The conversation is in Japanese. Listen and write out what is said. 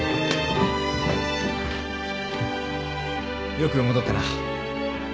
よく戻ったな。